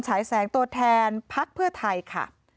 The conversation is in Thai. ฉายแสงตัวแทนพักเพื่อไทยค่ะ